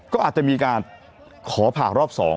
ก็อาจจะมีการขอผ่ารอบ๒